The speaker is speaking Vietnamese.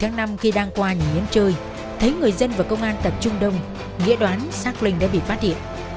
đến ngày một mươi bảy tháng năm khi đang qua nhà yến chơi thấy người dân và công an tập trung đông nghĩa đoán xác linh đã bị phát hiện